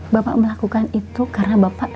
bapak melakukan itu karena bapak